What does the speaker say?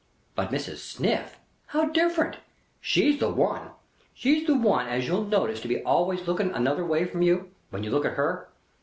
But Mrs. Sniff. How different! She's the one! She's the one as you'll notice to be always looking another way from you, when you look at her.